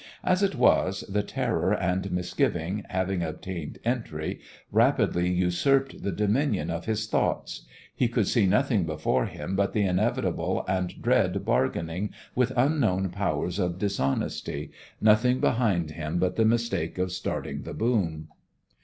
As it was, the terror and misgiving, having obtained entry, rapidly usurped the dominion of his thoughts. He could see nothing before him but the inevitable and dread bargaining with unknown powers of dishonesty, nothing behind him but the mistake of starting the "boom."